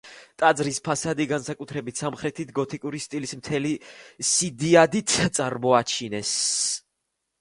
ტაძრის ფასადი, განსაკუთრებით სამხრეთით, გოტიკურ სტილს მთელი სიდიადით წარმოაჩენს.